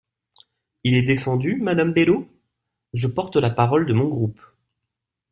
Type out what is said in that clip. Il est défendu, madame Bello ? Je porte la parole de mon groupe.